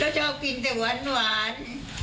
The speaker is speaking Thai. แล้วชอบกินแต่หวาน